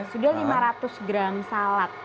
sudah lima ratus gram salad